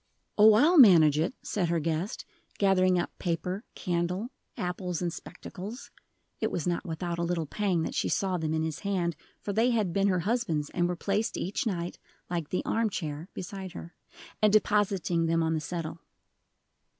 "Oh, I'll manage it," said her guest, gathering up paper, candle, apples, and spectacles (it was not without a little pang that she saw them in his hand, for they had been her husband's, and were placed each night, like the arm chair, beside her) and depositing them on the settle.